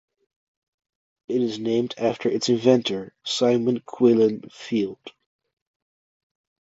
It is named after its inventor, Simon Quellen Field.